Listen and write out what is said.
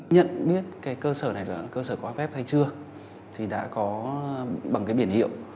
nhận biết cái cơ sở này là cơ sở có phép hay chưa thì đã có bằng cái biển hiệu